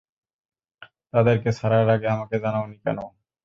তাদেরকে ছাড়ার আগে আমাকে জানাওনি কেন?